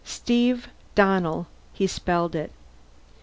"Steve Donnell." He spelled it.